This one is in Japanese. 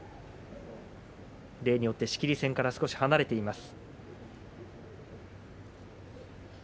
例によって仕切り線から少し離れています。